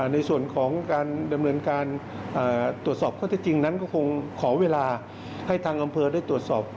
ในส่วนของการดำเนินการตรวจสอบข้อที่จริงนั้นก็คงขอเวลาให้ทางอำเภอได้ตรวจสอบ